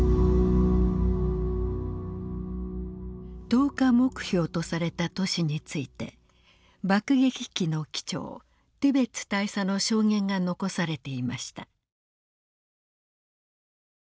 投下目標とされた都市について爆撃機の機長ティベッツ大佐の証言が残されていました。